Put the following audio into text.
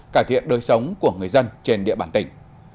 cải thiện đời sống của người dân trên địa bàn tỉnh